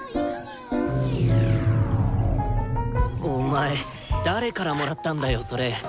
お前誰からもらったんだよそれ。